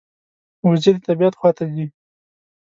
وزې د طبعیت خوا ته ځي